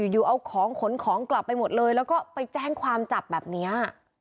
อยู่เอาของขนของกลับไปหมดเลยแล้วก็ไปแจ้งความจับแบบนี้